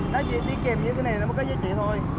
nó chỉ đi kèm những cái này là có giá trị thôi